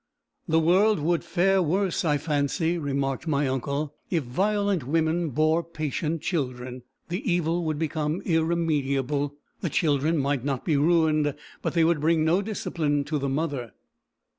"The world would fare worse, I fancy," remarked my uncle, "if violent women bore patient children. The evil would become irremediable. The children might not be ruined, but they would bring no discipline to the mother!"